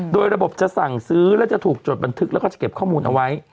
โดยระบบจะสั่งซื้อและจะถูกจดบันทึกแล้วก็จะเก็บข้อมูลเอาไว้